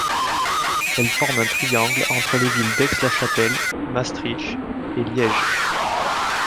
Elle forme un triangle entre les villes d'Aix-la Chapelle, Maastricht et Liège.